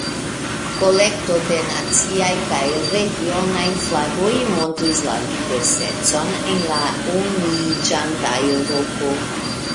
Kolekto da naciaj kaj regionaj flagoj montris la diversecon en la unuiĝanta Eŭropo.